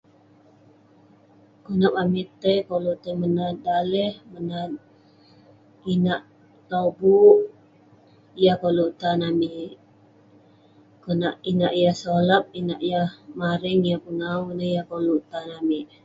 Pinek amik tai dukuk juk tai nat daleh menat inak lobuk yah koluek tak amik konak inak yah solap inak yah mareng inak yah pegau ineh yah koluek tan amik